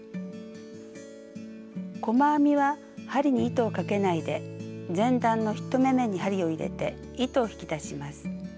細編みは針に糸をかけないで前段の１目めに針を入れて糸を引き出します。